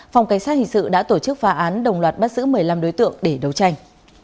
phòng cảnh sát hình sự đã tổ chức phá án đồng loạt bắt giữ một mươi năm đối tượng để đấu tranh